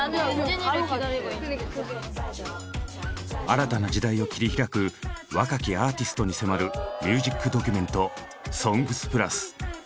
新たな時代を切り開く若きアーティストに迫るミュージックドキュメント「ＳＯＮＧＳ＋ＰＬＵＳ」。